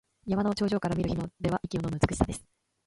山の頂上から見る日の出は息をのむ美しさです。